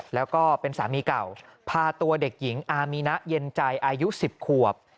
แล้วก็เป็นสามีเก่าพาตัวเด็กหญิงอามีนะเย็นใจอายุ๑๐ขวบ